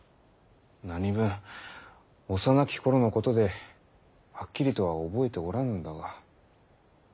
何分幼き頃のことではっきりとは覚えておらぬのだが。